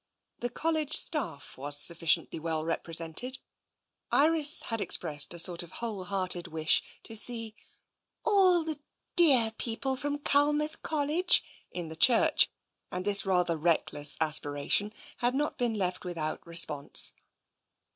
The College staff was sufficiently well represented. Iris had expressed a sort of whole hearted wish to see "all the dear people from Culmouth College" in the church, and this rather reckless aspiration had not been left without response.